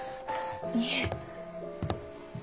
いえ。